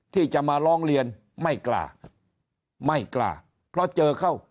ที่จะมาร้องเรียนไม่กล้าไม่กล้าเพราะเจอเข้า